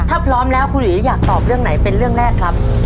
ถ้าพร้อมแล้วครูหลีอยากตอบเรื่องไหนเป็นเรื่องแรกครับ